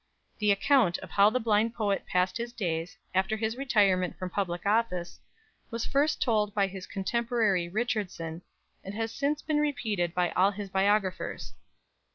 The account of how the blind poet passed his days, after his retirement from public office, was first told by his contemporary Richardson, and has since been repeated by all his biographers.